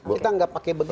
kita nggak pakai begitu